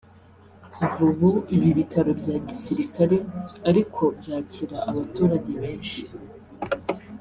Kuva ubu ibi bitaro bya Gisirikare ariko byakira abaturage benshi